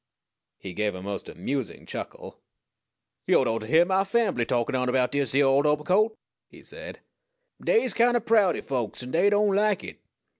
He gave a most amusing chuckle. "Yo'd ought to hyear mah fambly takin' on erbout dis yere old obercoat!" he said. "Dey's kind o' proudy folks, an' dey don't like it.